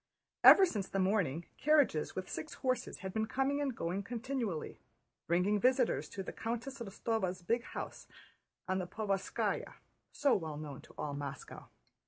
Ever since the morning, carriages with six horses had been coming and going continually, bringing visitors to the Countess Rostóva's big house on the Povarskáya, so well known to all Moscow.